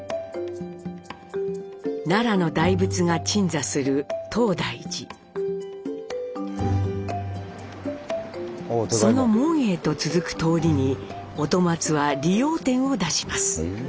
奈良の大仏が鎮座するその門へと続く通りに音松は理容店を出します。